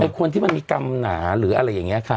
คนที่มันมีกรรมหนาหรืออะไรอย่างนี้ค่ะ